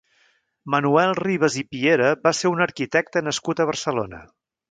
Manuel Ribas i Piera va ser un arquitecte nascut a Barcelona.